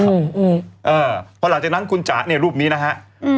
อืมอืมเออพอหลังจากนั้นคุณจ๋าเนี่ยรูปนี้นะฮะอืม